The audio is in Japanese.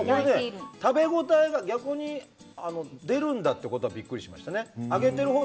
食べ応えが逆に出るんだということでびっくりしました。